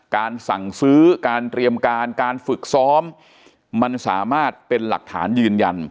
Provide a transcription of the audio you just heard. การสั่งซื้อการเตรียมการการฝึกซ้อมมันสามารถเป็นหลักฐานยืนยัน